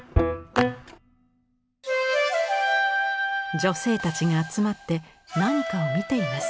女性たちが集まって何かを見ています。